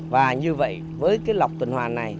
và như vậy với cái lọc tuần hoàn này